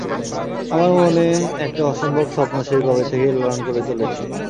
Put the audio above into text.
আমার মনে একটা অসম্ভব স্বপ্ন সেই কবে থেকে লালন করে চলেছি।